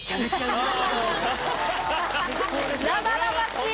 生々しい！